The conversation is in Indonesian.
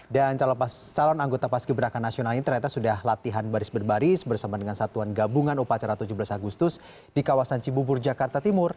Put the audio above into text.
dan calon anggota paski beraka nasional ini ternyata sudah latihan baris baris bersama dengan satuan gabungan upacara tujuh belas agustus di kawasan cibubur jakarta timur